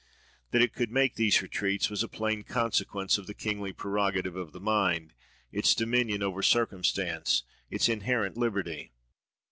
That it could make these retreats, was a plain consequence of the kingly prerogative of the mind, its dominion over circumstance, its inherent liberty.